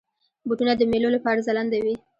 بوټونه د میلو لپاره ځلنده وي.